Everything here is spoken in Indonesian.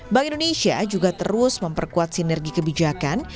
bank indonesia juga terus memperkuat sinergi kebijakan